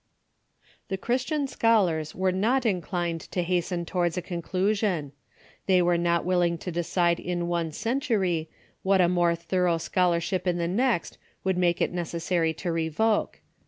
The Christian scholars were not inclined to hasten towards a conclusion. They were not willing to decide in one century what a more thorough scholarship in the next would make it THE SCRIPTURES AND TRADITION 59 necessary to revoke.